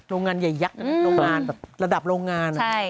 โรงงานใหญ่ยักษ์ระดับโรงงาน